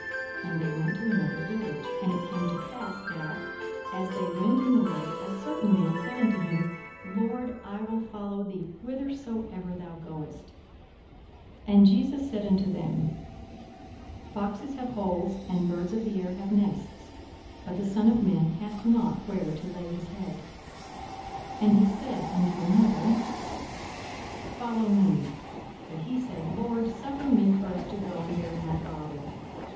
And they went to another village. 42:009:057 And it came to pass, that, as they went in the way, a certain man said unto him, Lord, I will follow thee whithersoever thou goest. 42:009:058 And Jesus said unto him, Foxes have holes, and birds of the air have nests; but the Son of man hath not where to lay his head. 42:009:059 And he said unto another, Follow me. But he said, Lord, suffer me first to go and bury my father.